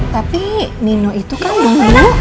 tapi nino itu kan belum dulu